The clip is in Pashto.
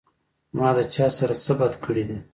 ما د چا سره څۀ بد کړي دي